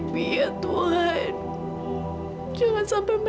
mereka selisih conhecer bumur